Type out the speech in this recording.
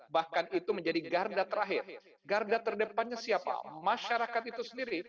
bahkan itu menjadi garda terakhir garda terdepannya siapa masyarakat itu sendiri